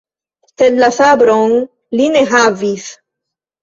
Sed la sabron li ne havis!